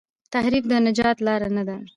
تحریف د نجات لار نه ده.